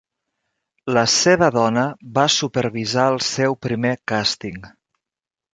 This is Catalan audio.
La seva dona va supervisar el seu primer càsting.